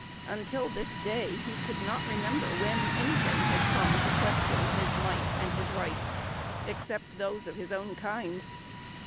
Until this day he could not remember when anything had come to question his might and his right except those of his own kind.